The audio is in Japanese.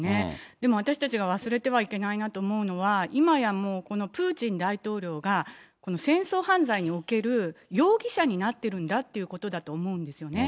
でも私たちが忘れてはいけないなと思うのは、今やもう、このプーチン大統領がこの戦争犯罪における容疑者になってるんだということだと思うんですよね。